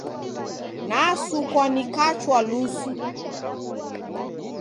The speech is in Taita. Nasukwa nikachwa lusu.